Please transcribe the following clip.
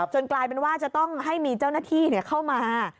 กลายเป็นว่าจะต้องให้มีเจ้าหน้าที่เข้ามา